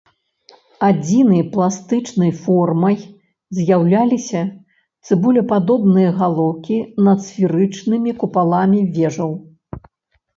Адзінай пластычнай формай з'яўляліся цыбулепадобныя галоўкі над сферычнымі купаламі вежаў.